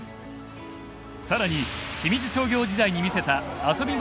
更に清水商業時代に見せた遊び心あふれるプレー！